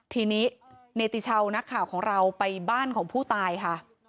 ทีนี้เนติชาวนักข่าวของเราไปบ้านของผู้ตายค่ะ